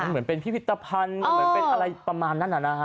เหมือนเป็นพิพิธภัณฑ์เหมือนเป็นอะไรประมาณนั้นนะฮะ